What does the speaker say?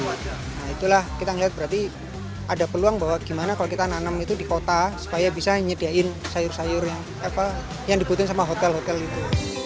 nah itulah kita melihat berarti ada peluang bahwa gimana kalau kita nanam itu di kota supaya bisa nyediain sayur sayur yang dibutuhkan sama hotel hotel itu